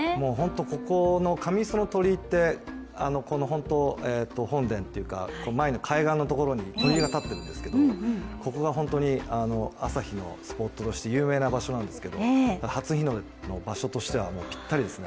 ここの鳥居って、本殿っていうか前の海岸のところに鳥居が立ってるんですけど、ここが本当に朝日のスポットとして有名な場所なんですけど、初日の出の場所としてはぴったりですね。